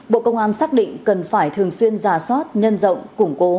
bộ công an xác định cần phải thường xuyên giả soát nhân rộng củng cố